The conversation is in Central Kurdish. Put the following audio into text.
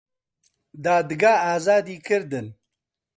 دادگا ئازادی کردن